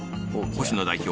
星野代表